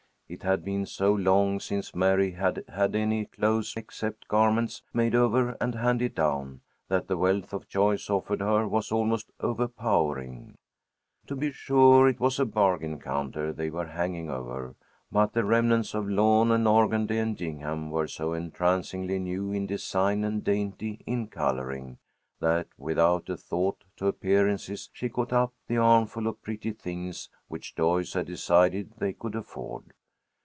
It had been so long since Mary had had any clothes except garments made over and handed down, that the wealth of choice offered her was almost overpowering. To be sure it was a bargain counter they were hanging over, but the remnants of lawn and organdy and gingham were so entrancingly new in design and dainty in coloring, that without a thought to appearances she caught up the armful of pretty things which Joyce had decided they could afford.